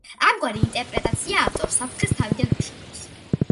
ამგვარი ინტერპრეტაცია ავტორს საფრთხეს თავიდან აშორებს.